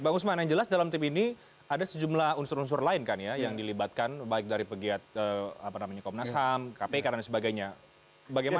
bang usman yang jelas dalam tim ini ada sejumlah unsur unsur lain kan ya yang dilibatkan baik dari pegiat komnas ham kpk dan sebagainya